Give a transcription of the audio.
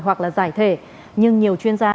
hoặc là giải thể nhưng nhiều chuyên gia